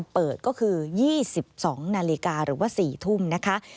เปิดก็คือ๒๒นาฬิกาหรือว่า๔ทุ่มนะคะ